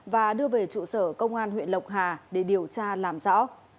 và đưa về trụ sở công an huyện lộc hà để điều tra làm rõ